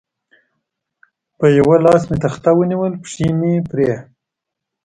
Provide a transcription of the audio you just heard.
په یوه لاس مې تخته ونیول، پښې مې پرې.